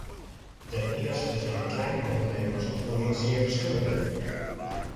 Ten eerste zijn de kleine ondernemers onderling zeer verschillend.